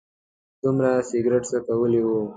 دومره سګرټ څکولي و.